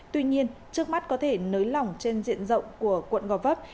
tuy nhiên trước mắt có thể nới lỏng trên diện rộng của quận gò vấp